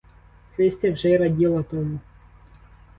Христя вже й раділа тому.